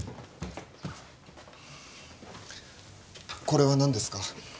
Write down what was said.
これは何ですか？